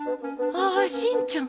ああしんちゃん。